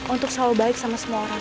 untuk selalu baik sama semua orang